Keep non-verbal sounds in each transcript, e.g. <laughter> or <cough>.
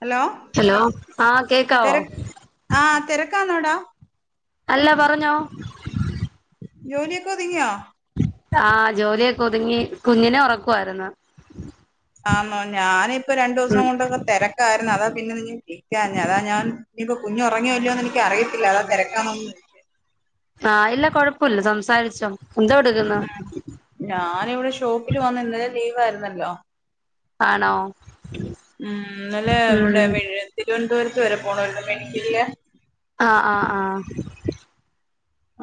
hello hello ആഹ് കേര കേക്കാവോ ആഹ് തിരക്കാന്നോടാ അല്ല പറഞ്ഞോ ജോലിയൊക്കെ ഒതുങ്ങിയോ ആഹ് ജോലിയൊക്കെ ഒതുങ്ങി കുഞ്ഞിനെ ഉറക്കായിരുന്നു ആന്നോ ഞാനിപ്പ രണ്ടു ഉം ദിവസം കൊണ്ടൊക്കെ തിരക്കായിരുന്നു അതാ പിന്നെ നിനെ വിളിക്കഞ്ഞ അതാ ഞാൻ ഇനിയിപ്പൊ കുഞ്ഞു ഉറങ്ങിയല്ലോന്ന് എനിക്ക് അറയില്ല അതാ തിരക്കാന്നേ ആഹ് ഇല്ല കൊഴപ്പില്ല സംസാരിച്ചോ എന്തോ എടുക്കുന്നു ഞാന് ഇവിടെ ഷോപ്പിൽ വന്ന് ഇന്നലെ ലീവ് ആയിരുന്നല്ലോ ആണോ ഉം ഇന്നലെ ഇവിടെ ഉം തിരുവനന്തപുരത്ത് വരെ പോണല്ലോ <unintelligible> ആഹ് ആഹ് ആഹ്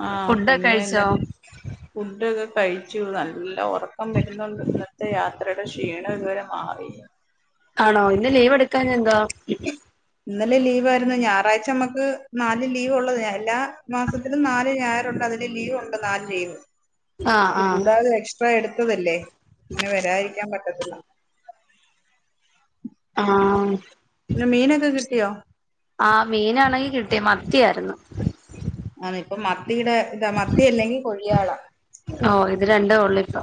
ആ ഫുഡൊക്കെ പിന്നെ കഴിച്ചോ ഇന്നത്തെ ഫുഡൊക്കെ കഴിച്ചു നല്ല ഉറക്കം വരുന്നുണ്ട് ഇന്നത്തെ യാത്രയുടെ ക്ഷീണം ഇതുവരെ മാറിയില്ല ആണോ ഇന്ന് ലീവ് എടുക്കാഞത് എന്താ ഇന്നലെ ലീവ് ആയിരുന്നു ഞായറാഴ്ച നമ്മക്ക് നാല് ലീവ്ള്ളത് എല്ലാ മാസത്തിലും നാല് ഞായറുണ്ട് അതില് ലീവുണ്ട് നാല് ലീവ് ആഹ് അത് ആഹ് കൂടാതെ എക്സ്ട്ര എടുത്തതല്ലേ പിന്നെ വരാതിരിക്കാൻ പറ്റത്തില്ല ആഹ് പിന്നെ മീനൊക്കെ കിട്ടിയോ ആഹ് മീനാണെങ്കി കിട്ടിയ മത്തിയായിരുന്നു ആ ഇപ്പം മത്തിയുടെ ഇതാ മത്തി അല്ലെങ്കിൽ കൊഴിയളാ ഓഹ് ഇത് രണ്ടെ ഒള്ളൂ ഇപ്പൊ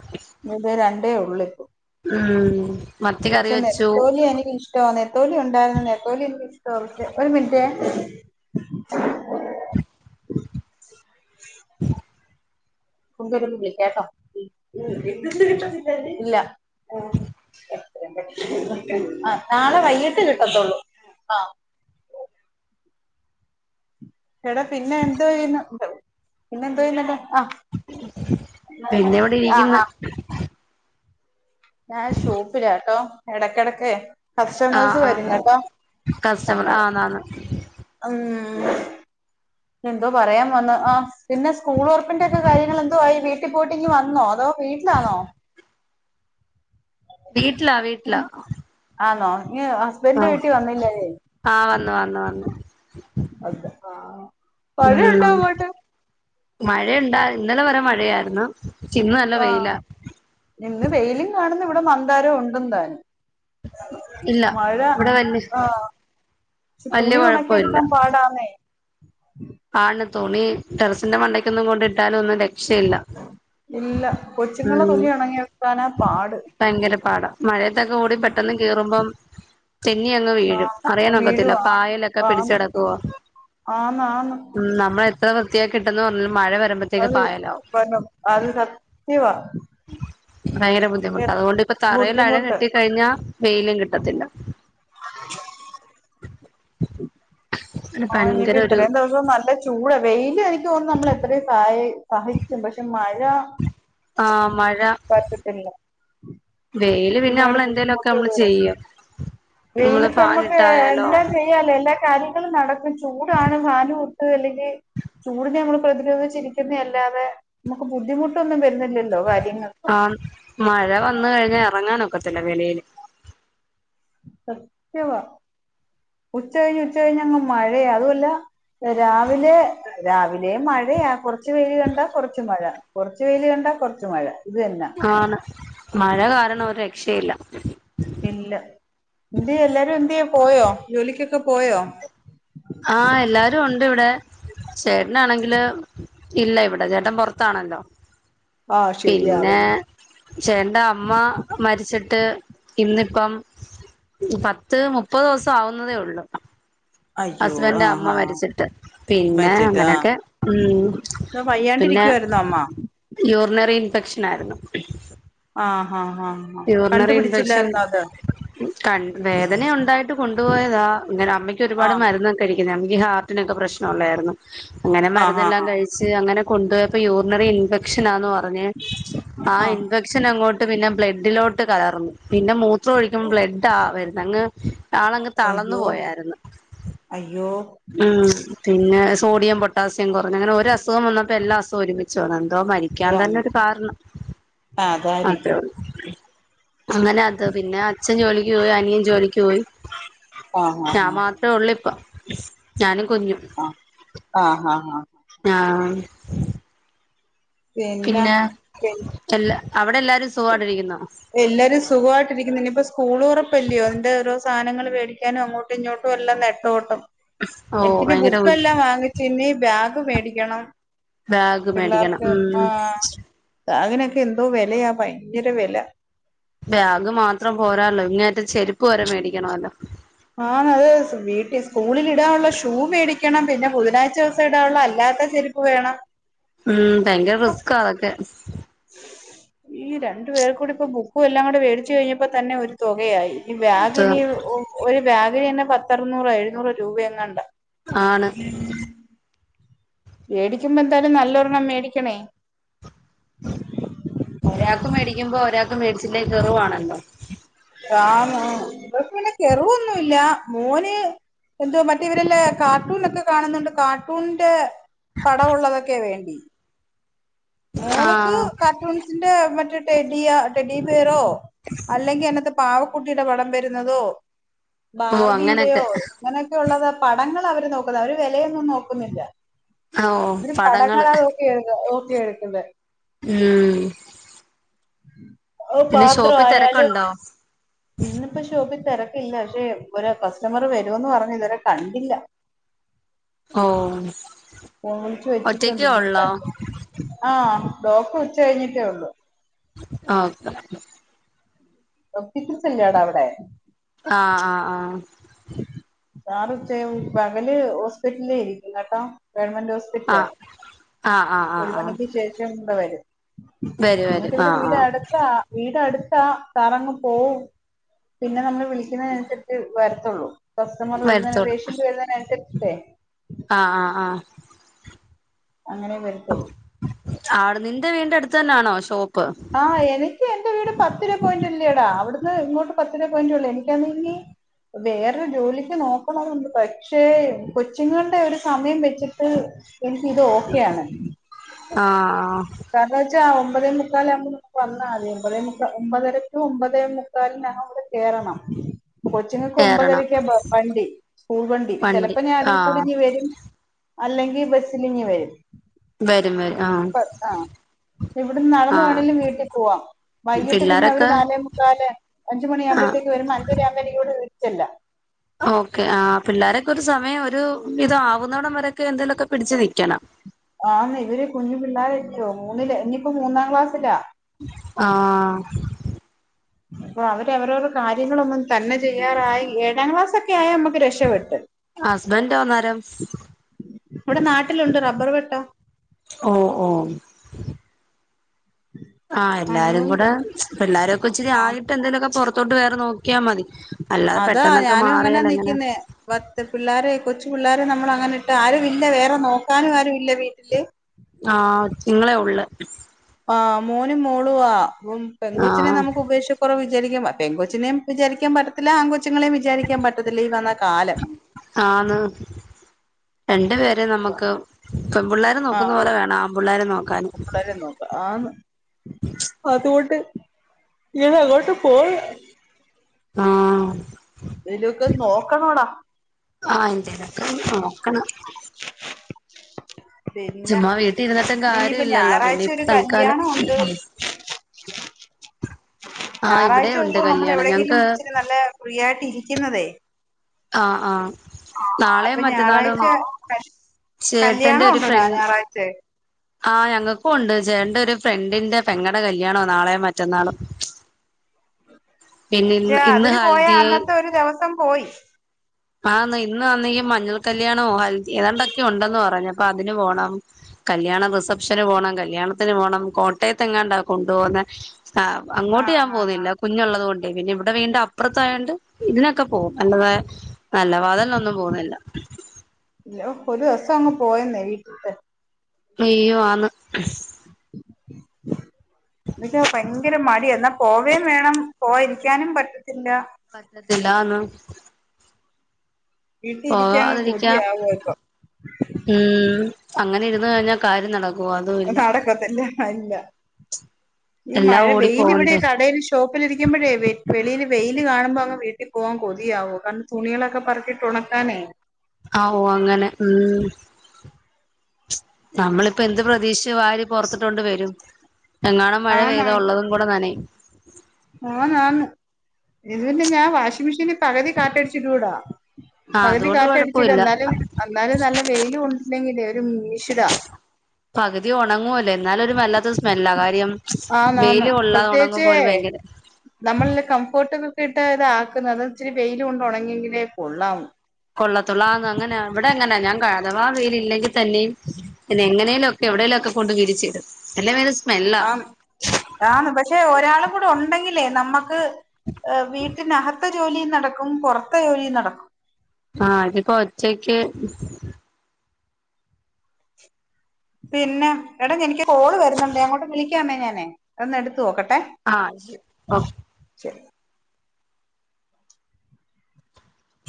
ഇത് രണ്ടേ ഒള്ളിപ്പോ ഉം മത്തി കറി വെച്ചു ഇഷ്ടോ നെത്തോലി ഉണ്ടായിരുന്നു നെത്തോലി എ ഇഷ്ടോ ഒരു മിനിറ്റ് ഉ കൊണ്ടരുന്നില്ലേ കേട്ടോ ഇല്ല ആഹ് നാള വൈകീട്ട് കിട്ടത്തൊള്ളൂ ആഹ് എടാ പിന്നെ എന്തോ ചെയ്യുന്നു പിന്നെ എന്തോ ചെയ്യുന്നന്തോ പിന്നെ ഇവടെ ആ ആ ഇരിക്ക്ന്ന് ഞാൻ ഷോപ്പിലാട്ടോ എടക്കെടക്കേ ആഹ് കസ്റ്റമേഴ്സ് ആഹ് വരുന്ന് അപ്പോ കസ്റ്റമർ ആന്നാന്ന് ഉം എന്തോ പറയാ വന്ന് ആഹ് പിന്നെ സ്കൂൾ ഒറപ്പിന്റെ ഒക്കെ കാര്യങ്ങൾ എന്തോ ആയി വീട്ടി പോയിട്ട് ഇങ്ങ് വന്നോ അതോ വീട്ട്ലാണോ വീട്ട്ലാ വീട്ട്ലാ ആണോ ഇഞ് ഹസ് ആഹ് ആഹ് വന്നു വന്നു വന്നു അതെ ആഹ് ഉം മഴയുണ്ടോ അങ്ങോട്ട് മഴയുണ്ട ഇന്നലെ വരെ മഴയാരുന്നു ചിന്ന് നല്ല ആഹ് വൈല ഇന്ന് വൈലും കാണുന്ന് ഇവിടെ മന്താര ഉണ്ടും താന് ഇല്ല മഴ ഇവിടെ വല്യ ആഹ് ക്ഷെ വല്യ തുണി ഒണക്കി കൊഴപ്പമില്ല എടുക്കാ പാടാന്നേ ആണ് തുണി ടെറസിന്റെ മണ്ടയ്ക്കൊന്നും കൊണ്ടിട്ടാലൊന്നും രക്ഷയില്ല ഇല്ല കൊച്ചുങ്ങളെ ഉം തുണി ഒണങ്ങി എടുക്കാനാ പാട് ഭയങ്കര പാടാ മഴയത്തൊക്കെ കൂടി പെട്ടെന്ന് കേറുമ്പം തെന്നി അങ്ങ് വീഴും ആഹ് അറിയാനൊക്കത്തില്ല വീഴുവാ പായലൊക്ക ആഹ് പിടിച്ചടക്കുവോ ആന്ന് ആന്ന് നമ്മള എത്ര വൃത്തിയാക്കിട്ടന്ന് പറഞ്ഞാലും മഴ വരുബ അത് <unintelligible> അത് സത്ത്യവാ ഭയങ്കര ബുദ്ധിമുട്ടാ അത്കൊണ്ട് ഇപ്പ തറയിൽ അഴ ബുദ്ധിമുട്ട് കെട്ടിക്കഴിഞ്ഞാ വൈലും കിട്ടത്തില്ല അ ആഹ് ഇനി ഇപ്പ ഭയങ്കര ഒരു ഇത്രം ദിവസം നല്ല ചൂട വൈല് എനിക്ക് തോന്ന്ന്ന് നമ്മൾ എത്രിം സഹി സഹിക്കും പക്ഷെ മഴ ആഹ് മഴ പറ്റത്തില്ല വൈല് പിന്നെ നമ്മള് എന്തേലൊക്കേ ഞമ്മള് ചെയ്യും നമ്മള് വെയിലൊക്ക ഫാൻ നമ്മക്ക് ഇട്ടായാലോ എന്താ ചെയ്യാലേ എല്ലാ കാര്യങ്ങളും നടക്കും ചൂടാണ് താനും ഉം അല്ലെങ്കി ചൂടിനെ നമ്മൾ പ്രതിരോധിച്ചിരിക്കുനേ അല്ലാതെ നമുക്ക് ബുദ്ധിമുട്ടൊന്നും വരുന്നി ല്ലല്ലോ കാര്യങ്ങൾ ആഹ് മഴ വന്ന് കഴിഞാ എറങ്ങാനൊക്കത്തില്ല വെളീല് സത്ത്യവാ ഉച്ച കഴിഞ് ഉച്ച കഴിഞ് അങ്ങ് മഴയാ അതുവല്ല രാവിലെ രാവിലെ മഴയാ കൊറച്ച് വെയിൽ കണ്ടാ കൊറച്ച് മഴ കൊറച്ച് വെയിൽ കണ്ടാ കൊറച്ച് മഴ ഇത് തന്ന ആണ് മഴ കാരണം ഒര് രക്ഷില്ല ഇല്ല എന്തിയാ എല്ലാരും എന്തിയാ പോയോ ജോലിക്കൊക്കെ പോയോ ആഹ് എല്ലാരും ഉണ്ട് ഇവിടെ ചേട്ടനാണെങ്കില് ഇല്ല ഇവിടെ ചേട്ടൻ പൊറത്താണല്ലോ ആഹ് പിന്നെ ശരിയാവുന്നു ചേട്ടന്റെ അമ്മ മരിച്ചിട്ട് ഇന്നിപ്പം പത്ത് മുപ്പത് ദിവസം ആവുന്നതേ ഒള്ളു അയ്യോ ആഹ് ഹാ പിന്നെ മരിച്ചിട്ട് ആഹ് അങ്ങനൊക്കെ ഉം ഇ പിന്നെ പയ്യാണ്ടിരിക്കുവായിരുന്നോ അമ്മ യൂറിനറി ഇൻഫെക്ഷൻ ആയിരുന്നു ആഹ് ആഹ് ആഹ് യ്യൂറിനറി ഇൻഫെക്ഷൻ കണ്ടുപിടിച്ചില്ലായിരുന്നോ അത് ക വേദന ഉണ്ടായിട്ട് കൊണ്ടുപോയതാ ഇങ്ങനെ അമ്മയ്ക്ക് ഒരുപാട് ആഹ് മരുന്ന് കഴിക്കുന്നത് നക്ക് ഹാർട്ടിനൊക്കെ പ്രശ്നമള്ളായിരുന്നു അങ്ങനെ ആഹ് മരുന്നെല്ലാം ആഹ് കഴിച്ച ക്ഷേ അങ്ങെനെ കൊണ്ടോയൊപ്പോ യൂറിനറി ഇൻഫെക്ഷനാന്ന് പറഞ്ഞ് ആ ആഹ് ഇൻഫെ ക്ഷൻ അങ്ങോട്ട് പിന്നെ ബ്ലഡിലോട്ട് കലർന്ന് പിന്നെ മൂത്രം ഒഴിക്കുമ്പോ ബ്ലഡ് ആ വരുന്നങ്ങ് ആളങ്ങ് തളർന്നു അയ്യോ പോയായിരുന്നു അയ്യോ ഉം പിന്നെ സോഡിയം പൊട്ട്യാസം കുറഞ്ഞു അങ്ങനെ ഒരു അസ്വം വന്നപ്പോ എല്ലാ അസ്വം ഒരുമിച്ച് വന്ന് എന്തോ മരിക്ക ക്ക്യാൻ തന്നെരു കാരണം അതായിരിക്കും അത്രേള്ളൂ അങ്ങനെ അത് പിന്നെ അച്ഛൻ ജോലിക്ക് പോയി അനിയൻ ജോലിക്ക് പോയി ആഹ് ഞാൻ ആഹ് മാ തേളിപ്പം ഞാനും കുഞ്ഞു ആഹ് ആഹ് അഹ് ആഹ് പിന്നെ പി എല്ല അവിടെ എല്ലാരും സുഖായിട്ടിരിക്കുന്നോ എല്ലാരും സുഖവായിട്ടിരിക്കുന്നു ഇനിയിപ്പോ സ്കൂളുറപ്പല്ലയോ അതന്റെ ഓരോ സധനങ്ങള് മേടിക്കാനും അങ്ങോ അങ്ങട്ടിങ്ങോട്ടെല്ലാം നട്ടോട്ടം ഓ എനിക്ക് പിന്നെ ഭയങ്കര ബുക്കെല്ലാം വാങ്ങി ചിന്നി ബാഗ് മേടിക്കണം ബാഗ് മേടിക്കണം പിള്ളേർക്ക് ഉം ആഹ് ബാഗിനൊക്കെ എന്തോ വെലയ ഭയങ്കര വെല ബാഗ് മാത്രം പോരാല്ലോ ഇങ്ങേത്തെ ചെരുപ്പ് വരെ മേടിക്കണോല്ലോ ആന്ന് അത് വീട്ടിയെസ് സ്കൂളിലിടാനൊള്ള ഷൂ മേടിക്കണം പിന്നെ ബുധനാഴ്ചേസം ഇടാാനുള്ള അല്ലാത്ത ചെരുപ് വേണം ഉം ഭയങ്കര റിസ്ക്കാ അതെക്കെ ഈ രണ്ടു പേർ കൂടി ഇപ്പ ബുക്കും എല്ലാം കൂടെ മേടിച്ചു കഴിഞ്ഞപ്പോ തന്നെ ഒരു തുകയായി ഇനി ബാഗ് ഉം ഒരു ബാഗിന് തന്നെ പത്തറുന്നൂറാ എഴുന്നൂറാ രൂപ എങ്ങണ്ട ആണ് മേടിക്കുമ്പോ എന്തായാലും നല്ലൊരെണ്ണം മേടിക്കണേ ഒരാക്ക് മേടിക്കുമ്പോ ഒരാക്ക് മേടിച്ചില്ലേ ഖർവാണല്ലോ കാന്നോ കെറവൊന്നുമല്ല മോന് എന്തോ മറ്റേ ഇവരെല്ല കാർട്ടൂണൊക്കെ കാണുന്നുണ്ട് കാർട്ടൂൺന്റെ പടഒള്ളതൊക്കെയ വേണ്ടി മോള്ക്ക് ആഹ് കാർട്ടൂൺസിന്റെ മറ്റെ ടെഡിയ ടെഡിബിയറോ അല്ലെങ്കി അങ്ങത്തെ പാവക്കുട്ടിയുടെ പടം വരുന്നെതോ ഓ ബാർബിടെയോ അങ്ങനൊക്കെ അങ്ങനെക്കെ ക്കെള്ളത് പടങ്ങളവര് നോക്കുന്ന അവര് വെലയൊന്നൊന്നു നോക്കുന്നില്ല ഓ പടങ്ങള നോക്കി എയുതും നോക്കി എ മ്മ് ഓ പാത്രോ ഷോപ്പിൽ ആയാലും തിരക്കുണ്ടോ ഇന്നിപ്പോ ഷോപ്പി തെരക്കില്ല പക്ഷെ ഒരു കസ്റ്റമർ വരുന്ന് പറഞ്ഞ് ഇതുവരെ കണ്ടില്ല ഓഹ് ഓഹ് വിളിച്ച് വെച്ചിട്ടുണ്ട് ഇ കണ്ച് ആ ഡോക്ടർ ഉച്ച കഴിഞ്ഞിട്ടേ ഉള്ളു ആഹ് ഒപ്ടിക്കിൾസെല്ലാട അവിടെ ആഹ് ആഹ് ആഹ് സാർ ഉച്ചയാവും പകല് ഹോസ്പിറ്റ്ല് ഇരിക്കു കേട്ടാ ഗവൺമെന്റ് ഹോസ് പിട്ട്ലെ ആഹ് ആഹ് ആഹ് ആഹ് ഒരു ആഹ് ആഹ് മണിക്ക് ശേഷം ഇവടെ വരും വരും എന്നിട്ട് വരും ഇവിടെ ആഹ് വീട് ആഹ് അടു ത്താ വീട് അടുത്ത സാറങ്ങ് പോവും പിന്നെ നമ്മള് വിളിക്കുന്നേനനുസരിച് വരും ത്തുള്ളു കസ്റ്റമർ വരുന്നേ വരത്തോളൂ പേഷ്യന്റ് വരുന്നേനൻസരിച്ട്ടേ ആഹ് ആഹ് ആഹ് അങ്ങനെ വരു ആട നിന്റെ വീടിന്റെ അടുത്തന്നാണോ ഷോപ്പ് ആഹ് എനിക്ക് എന്റെ വീട് പത്ത് രൂപ പോയിന്റല്ലേടാ അവിടുന്ന് ഇങ്ങോട്ട് പത്ത്‌രൂപ പോയിന്റ് ഉള്ളു എനിക്കാന്നി വേറെ ജോലിക്ക് നോക്കണോന്ന്ണ്ട് പക്ഷേ കൊച്ചുങ്ങള്ടെ ഒരു സമയം വെച്ചിട്ട് എനിക്ക് ഇത് ഓക്കെയാണ് ആഹ് ആഹ് കാരണം വെച്ചാ ഒമ്പതേ മുക്കാൽ ആവുമ്പം വന്നാൽ മതി ഒമ്പതേ മുക്കാൽ ഒമ്പതര ക്കുംഒമ്പതേ മു- കാലിന് ഞാനിവടെ കേറണം കൊച്ചിങ്ങക്ക് കേറണം ഒമ്പതരക്ക വണ്ടി സ്കൂൾ വണ്ടി ചിലപ്പോ ഞാൻ അദിൽ കൂടി ഞ്ഞി വരും അല്ലെങ്കിൽ ബസ്സിൽ ഇങ് വരും വരും വരും ആഹ് പ ആഹ് ഇവിടുന്ന് നടന്ന ആഹ് വേണമെങ്കിലും വീട്ടിൽ പോവാം വൈകിട്ട് പിന്നെ അവര് പിള്ളാരൊക്കെ നാലേ മുക്കാല് അഞ്ചുമ ആഹ് മണിയാവുമ്പോത്തേക്ക് വരും അഞ്ചര ആകുമ്പോത്ത എനിക്ക് വീട്ടി ചെല്ലാം ഓക്കേ ആ പിള്ളോരൊക്കെ ഒരു സമയം ഒരു ഇത ആവുന്നോടം വരെൊക്കെ എന്തെങ്കലുമൊക്കെ പിടച്ച് ന നിക്കണം ആന്ന് ഇവര് കുഞ്ഞു പിള്ളോരായിരിക്കോ മൂന്നിൽ ഇനിയിപ്പോ മൂന്നാം ക്ലാസ്സിലാ ആഹ് അപ്പൊ അവര് അവരോരു കാര്യങ്ങളൊന്നും തന്നെ ചെയ്യാറായി ഏഴാം ക്ലാസക്കെ ആയി നമ്മുക്ക് രക്ഷപ്പെട്ട് ഹസ്ബൻ റ്റോ അന്നേരം ഇവിടെ നാട്ടിലുണ്ട് റബ്ബർ വെട്ട ഓ ഓ ആഹ് എല്ലാരും അന്നുണ്ട് കൂടെ പില്ലാരും ഒക്കെ ഇച്ചിരി ആയിട്ട് എന്തേലുമൊക്കെ പുറത്തോട്ട് വേറെ നോക്കിയാൽ മതി അല്ലാതെ അതാ പെട്ടെന്നൊക്കെ ഞാനും അങ്ങനെ മാറിയാലങ്ങന നിക്കുന്നേ പത്ത് പിള്ളോര കൊച്ചു പിള്ളോര നമ്മള അങ്ങനെ ഇട്ട ആരു ഇല്ല വേറെ നോക്കാനും ആരു ഇല്ല വീട്ടില് ആഹ് നിങ്ങളെ ഉള്ള് ആഹ് മോനും മോളും ആഹ് പെൺ കൊച്ചിനെ ആഹ് നമുക്ക് ഉപേക്ഷിക്ക- കുറവ വിചാരിക്കും പെൺ കൊച്ചിനെയും വിചാരിക്കാൻ പറ്റത്തില്ല ആൺ കൊച്ചുങ്ങളെയും വിചാരിക്കാൻ പറ്റത്തില്ല ഈ വന്ന കാലം ആന്ന് രണ്ടു പേരെ നമുക്ക് പെൺ പിള്ളേരെ നോക്കുന്ന ആഹ് പോലെ വേണം ആ ൺപിള്ളേരെ നോക്കാൻ പിള്ളേരെ നോക്ക ആന്ന് അതുകൊണ്ട് ഞാൻ അങ്ങോട്ട് പോവ- ആഹ് എന്തൊലൊക്കെ നോക്കണോടാ ആഹ് എന്തേലൊക്കെ നോക്കണം <unintelligible> പിന്നെ ചുമ്മാ വീട്ടിൽ ഇരുന്നിട്ടും കാര്യം ഇനിയിപ്പോ ഇല്ലല്ലോ ഞായറാഴ്ച പിന്നെ ഇപ്പ ഒരു തൽക്കാലം കല്യാണം ണ്ട് ആഹ് ഇവിടെ ഞായറാഴ്ച ഉണ്ട് ദിവസം നമ്മൾ കല്യാണം എവിടെങ്കിലും ഞങ്ങക്ക് ഇച്ചിരി നല്ല ഫ്രീയായിട്ട് ഇരിക്കുന്നതേ ആഹ് ആഹ് നാളെ അപ്പൊ മറ്റന്നാളും ഞായറാഴ്ച ചേട്ടന്റെ കല്യാണം ഒരു ഉണ്ടടാ ഫ്രണ്ട് ഞായറാഴ്ച ആഹ് ഞങ്ങൾക്കു ഉണ്ട് ചേട്ടന്റെ ഒരു ഫ്രണ്ടിന്റെ പെങ്ങട കല്യാണ നാളെ മറ്റന്നാളും പിന്നെ ഇന്ന് ജാ ഇന്ന് അതിന് പോയാ ഹൽദിയായി അന്നത്തെ ഒരു ദിവസം പോയി ആഹ് ഇന്ന് ആന്നെ മഞ്ഞൾ കല്യാണോ ഹ ഏതാണ്ടൊക്കെ ഉണ്ടെന്ന് പറഞ്ഞുപ്പ അതിന് പോണം കല്യാണ റിസപ്ഷന് പോണം കല്യാണത്തിന് പോണം കോട്ടയത്തെങ്ങാണ്ടാ കൊണ്ടു പോകുന്ന ആ അങ്ങോട്ട് ആഹ് ഞാൻ ആഹ് ആഹ് പോകുന്നില്ല കുഞ്ഞുള്ളത് കൊണ്ട് പിന്നെ ഇവിടെ വീടിന്റെ അപ്പുറത്തായോണ്ട് ഇതിനൊക്കെ പോകും അല്ലതായ നല്ല വാതൽ നൊന്നും പോകുന്നില്ല ഇല്ല ഒരു ദിവസം അങ്ങ് പോയന്നേ വീട്ടിട്ട് അയ്യോ ആന്ന് <inaudible> ഇവിടെ ഭയങ്കര മടിയാ എന്നാ പോവേം വേണം പോ ഇരിക്കാനും പറ്റത്തില്ല പറ്റത്തില്ല ആന്ന് വീട്ടി ഇരിക്കാൻ പോകാതിരിക്കാം കൊതിയാവ ഇപ്പൊ ഉം അങ്ങനെ ഇരുന്ന് കഴിഞ്ഞാൽ കാര്യം നട നടക്കത്തില്ല അ ഇല്ല ഈ എല്ലാം മഴ ഓടി വെയില് ഇവിടെ പോവണ്ടേ കടേല് ഷൊ ഷോപ്പിലിരിക്കുമ്പഴേ വെളിയിൽ വെയില് കാണുമ്പോൾ അങ്ങ് വീട്ടിൽ പോകവാൻ കൊതിയാവും കാരണം തുണികളൊക്കെ പറക്കി ട്ടുണക്കാനേ ആവൂ അങ്ങനെ ഉം നമ്മളിപ്പോ എന്ത് പ്രതീക്ഷ് വാരി പൊറത്ത്ട്ടോണ്ട് വരും എങ്ങാണും മഴ ആന്നാ പെയ്താ ഉള്ളതും കൂടെ നനയും ആന്നാന്ന് ഇത് തന്നെ ഞാൻ വാഷിംഗ് മെഷീന് പകുതി കാറ്റടിച്ചിട്ടൂടാ ആ പകുതി അതുകൊണ്ട് കാറ്റടിച്ചിട കുഴപ്പമില്ല എന്നാലും അന്നാലും നല്ല വെയിലും ഉണ്ടില്ലെങ്കിലേ ഒരു മീഷിടാ പകുതി ഒണങ്ങുവല്ലോ എന്നാലും ഒരു വല്ലാത്ത സ്മെല്ലാ കാര്യം ആന്നാന്ന് വെയില് കൊള്ളാതെ പ്രത്യേകിച്ചെ ഉണങ്ങുമ്പോ ഒരു ഭയങ്കര നമ്മള് കംഫേട്ടുകളൊക്ക ഇട്ടാ ഇതാക്കുന്നത് പക്ഷെ വെയില് കൊണ്ട് ഒണങ്ങിയെങ്കിലേ കൊള്ളാവൂ കൊള്ളത്തൊള്ളൂ ആന്ന് അങ്ങനെ ഇവിടെ അങ്ങനാ ഞാൻ അതവാ വെയില് ഇല്ലെങ്കിൽ തന്നെയും പിന്നെ എങ്ങനേലും ഒക്കെ എവിടെയേലും ഒക്കെ കൊണ്ട് വിരിച്ചിടും എല്ലേ വയങ്കര സ്മെല്ലാ ആന്ന് പക്ഷെ ഒരാളും കൂടെ ഉണ്ടെങ്കിലേ നമ്മക്ക് വീട്ടിനകത്തെ ജോലിയും നടക്കും പൊറത്തെ ജോലിയും നടക്കും ആഹ് അതിപ്പോ ഒറ്റയ്ക്ക് പിന്നെ എടാ എനിക്ക് കോള് വരുന്നുണ്ടേ അങ്ങോട്ട് വിളിക്കന്നേ ഞാനേ അതൊന്ന് എടുത്ത് നോക്കട്ടെ ആഹ് ശരി ഓ ശരി